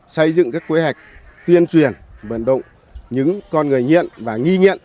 xây dựng các quy hạch tuyên truyền vận động những con người nhiện và nghi nhiện